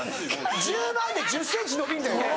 「１０万で１０ｃｍ伸びるんだよね。